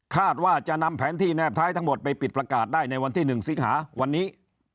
คาดว่าจะนำแผนที่แนบท้ายทั้งหมดไปปิดประกาศได้ในวันที่๑สิงหาวันนี้